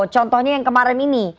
contohnya yang kemarin ini